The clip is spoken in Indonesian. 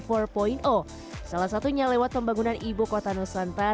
yang menyebabkan kekuatan peta jalan making indonesia menjadi kekuatan yang lebih besar